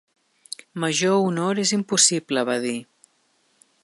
Major honor és impossible, va dir.